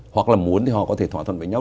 hoặc là muốn thì họ có thể thỏa thuận với nhau